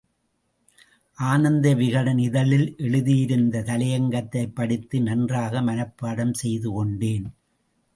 ஆனந்த விகடன் இதழில் எழுதியிருந்த தலையங்கத்தைப் படித்து நன்றாக மனப்பாடம் செய்து கொண்டேன்.